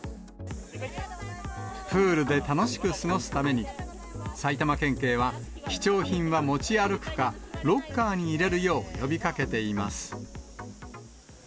プールで楽しく過ごすために、埼玉県警は、貴重品は持ち歩くか、ロッカーに入れるよう呼びかけています。